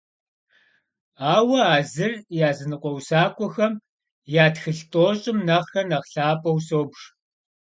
Ауэ а зыр языныкъуэ усакӀуэхэм я тхылъ тӀощӀым нэхърэ нэхъ лъапӀэу собж.